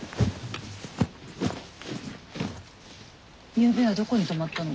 ゆうべはどこに泊まったの？